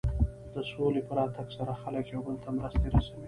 د سولې په راتګ سره خلک یو بل ته مرستې رسوي.